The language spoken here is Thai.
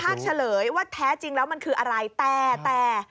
เป็นภาคเฉลยว่าแท้จริงแล้วมันคืออะไรแต่